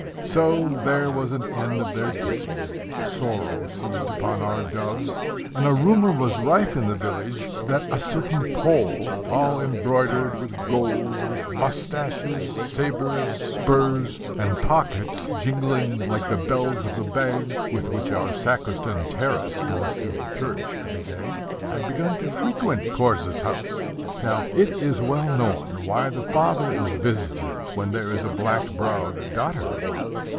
So there was an end of their kissing. Sorrow seized upon our doves; and a rumor was rife in the village, that a certain Pole, all embroidered with gold, with moustaches, sabres, spurs, and pockets jingling like the bells of the bag with which our sacristan Taras goes through the church every day, had begun to frequent Korzh's house. Now, it is well known why the father is visited when there is a black browed daughter about.